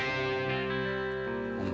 pembelan sama keluarga